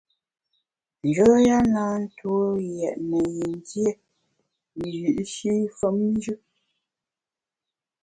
Njoya na ntue yètne yin dié wiyi’shi femnjù.